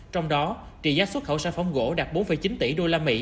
trong đó trị giá xuất khẩu sản phẩm gỗ đạt bốn chín tỷ usd